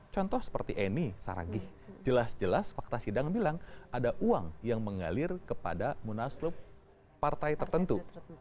contoh seperti eni saragih jelas jelas fakta sidang bilang ada uang yang mengalir kepada munaslup partai tertentu